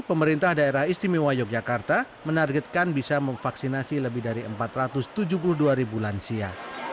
pemerintah daerah istimewa yogyakarta menargetkan bisa memvaksinasi lebih dari empat ratus tujuh puluh dua ribu lansia